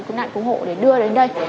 cứu nạn cứu hộ để đưa đến đây